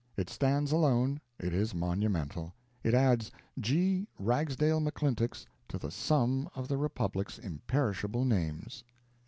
It stands alone; it is monumental. It adds G. Ragsdale McClintock's to the sum of the republic's imperishable names.